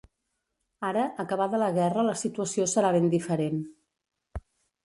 Ara, acabada la guerra la situació serà ben diferent.